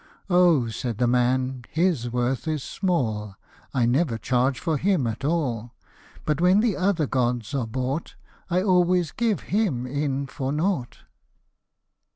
" O !said the man, " his worth is small ; I never charge for him at all ; But when the other gods are bought, I always give him in for nought."